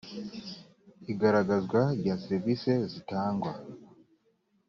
igaragazwa rya serivisi zitangwa